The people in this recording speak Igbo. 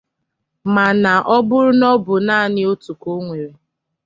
Mana ọ bụrụ na ọ bụ naanị otu ka o nwere